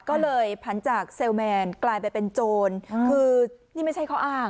ก็เลยผันจากเซลแมนกลายไปเป็นโจรคือนี่ไม่ใช่ข้ออ้าง